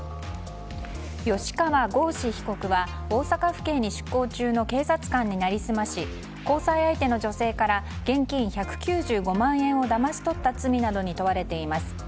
吉川剛司被告は大阪府警に出向中の警察官に成り済まし交際相手の女性から現金１９５万円をだまし取った罪などに問われています。